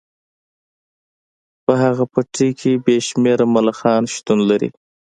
په هغه پټي کې بې شمیره ملخان شتون لري